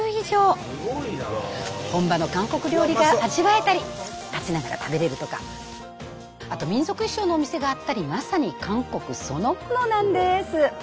本場の韓国料理が味わえたり立ちながら食べれるとかあと民族衣装のお店があったりまさに韓国そのものなんです。